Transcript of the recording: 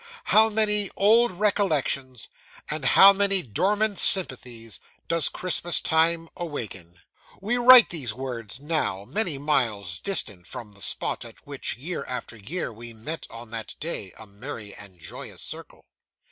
How many old recollections, and how many dormant sympathies, does Christmas time awaken! We write these words now, many miles distant from the spot at which, year after year, we met on that day, a merry and joyous circle.